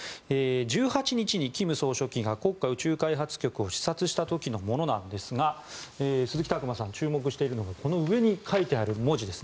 １８日に金総書記が国家宇宙開発局を視察した時のものなんですが鈴木琢磨さん注目しているのがこの上に書いてある文字です。